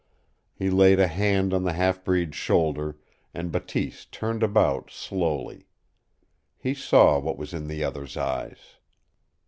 He laid a hand on the half breed's shoulder, and Bateese turned about slowly. He saw what was in the other's eyes.